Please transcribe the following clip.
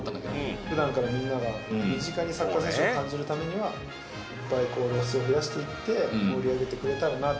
ふだんからみんなが身近にサッカー選手を感じるためには、露出を増やしていって、盛り上げてくれたらなって。